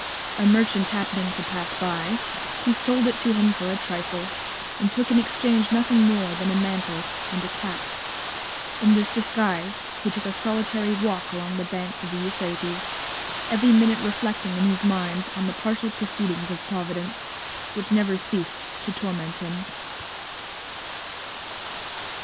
A Merchant happening to pass by, he sold it to him for a Trifle, and took in Exchange nothing more than a Mantle, and a Cap. In this Disguise, he took a solitary Walk along the Banks of the Euphrates, every Minute reflecting in his Mind on the partial Proceedings of Providence, which never ceas'd to torment him.